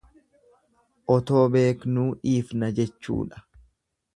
Otoo beeknuu dhiifna jechuudha.